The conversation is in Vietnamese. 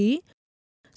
số điện thoại đường dựng